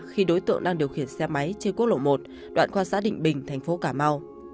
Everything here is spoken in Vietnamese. khi đối tượng đang điều khiển xe máy trên quốc lộ một đoạn qua xã định bình thành phố cà mau